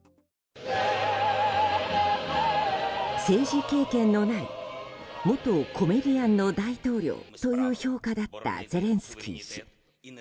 政治経験のない元コメディアンの大統領という評価だったゼレンスキー氏。